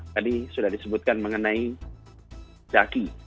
tadi sudah disebutkan mengenai zaki